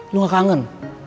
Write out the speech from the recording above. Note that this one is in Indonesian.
lo gak kangen